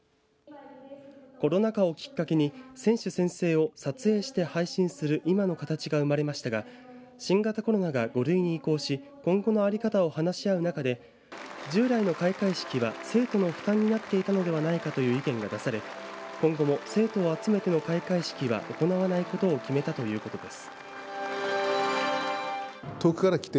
コロナ禍をきっかけに選手宣誓を撮影して配信する今の形が生まれましたが新型コロナが５類に移行し今後の在り方を話し合う中で従来の開会式は生徒の負担になっていたのではないかという意見が出され今後も生徒を集めての開会式は行わないことを決めたということです。